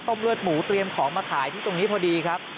เลือดหมูเตรียมของมาขายที่ตรงนี้พอดีครับ